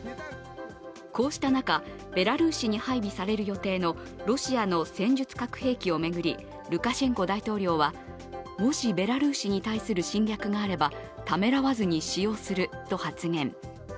こうした中、ベラルーシに配備される予定のロシアの戦術核兵器を巡り、ルカシェンコ大統領はもしベラルーシに対する侵略があれば、ためらわずに使用すると発言。